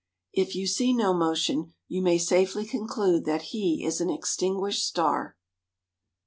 If you see no motion, you may safely conclude that he is an extinguished star.